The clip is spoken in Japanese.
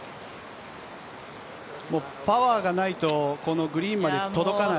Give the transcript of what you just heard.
パワーがないとこのグリーンまで届かない。